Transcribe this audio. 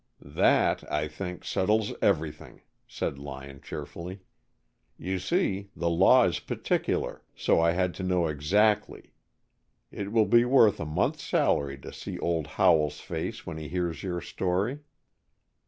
"That, I think, settles everything," said Lyon, cheerfully. "You see, the law is particular, so I had to know exactly. It will be worth a month's salary to see old Howell's face when he hears your story."